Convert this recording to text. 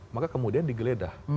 maka kemudian digeledah